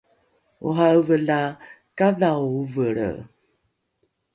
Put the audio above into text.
ora’eve la kadhao ovelre